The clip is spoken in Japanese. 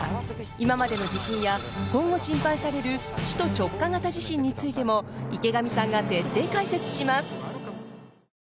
今までの地震や今後、心配される首都直下型地震についても池上さんが徹底解説します。